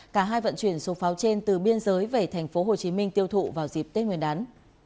cả hai vận chuyển số pháo trên từ biên giới về tp hcm tiêu thụ vào dịp tết nguyên đán